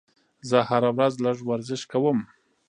زه هره ورځ لږ ورزش کوم.